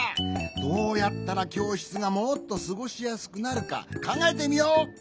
どうやったらきょうしつがもっとすごしやすくなるかかんがえてみよう！